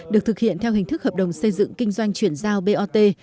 được thực hiện theo hình thức hợp đồng xây dựng kinh doanh chuyển giao bot